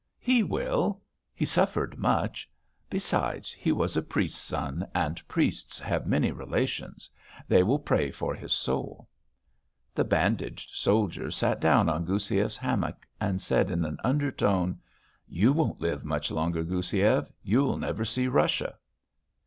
"He will. He suffered much. Besides, he was a priest's son, and priests have many relations. They will pray for his soul." The bandaged soldier sat down on Goussiev's hammock and said in an undertone: "You won't live much longer, Goussiev. You'll never see Russia."